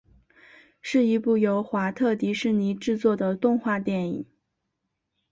是一部由华特迪士尼制作的动画电影。